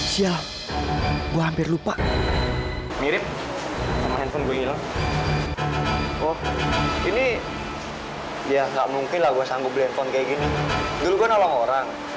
saya akan lakukan